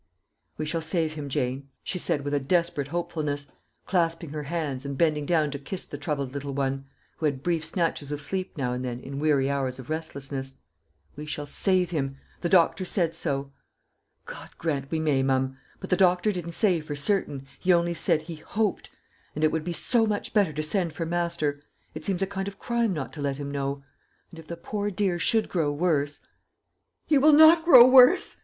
"We shall save him, Jane," she said with a desperate hopefulness, clasping her hands and bending down to kiss the troubled little one, who had brief snatches of sleep now and then in weary hours of restlessness. "We shall save him. The doctor said so." "God grant we may, mum! But the doctor didn't say for certain he only said he hoped; and it would be so much better to send for master. It seems a kind of crime not to let him know; and if the poor dear should grow worse " "He will not grow worse!"